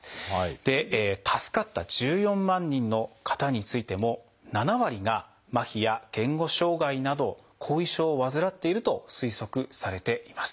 で助かった１４万人の方についても７割が「まひ」や「言語障害」など後遺症を患っていると推測されています。